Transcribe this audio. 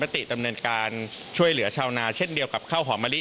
ติดตามจากคุณเจนศักดิ์